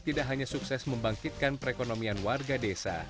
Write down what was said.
tidak hanya sukses membangkitkan perekonomian warga desa